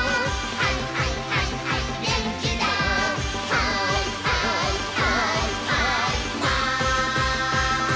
「はいはいはいはいマン」